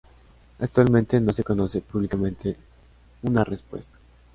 Actualmente no se conoce públicamente una respuesta.